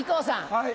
はい。